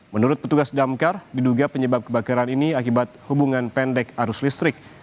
menurut petugas damkar diduga penyebab kebakaran ini akibat hubungan pendek arus listrik